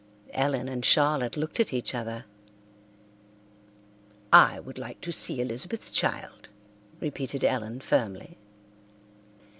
Ellen and Charlotte looked at each other. "I would like to see Elizabeth's child," repeated Ellen firmly.